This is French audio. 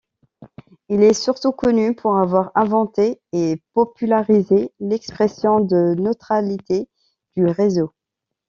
Il est surtout connu pour avoir inventé et popularisé l'expression de neutralité du réseau.